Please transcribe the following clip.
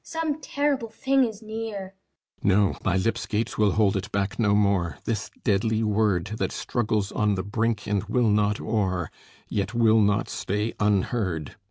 Some terrible thing is near. THESEUS No; my lips' gates will hold it back no more; This deadly word, That struggles on the brink and will not o'er, Yet will not stay unheard.